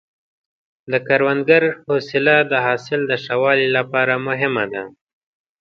د کروندګر حوصله د حاصل د ښه والي لپاره مهمه ده.